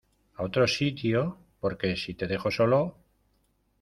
a otro sitio? porque si te dejo solo